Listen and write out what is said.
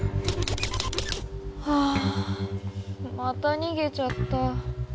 はぁまたにげちゃった。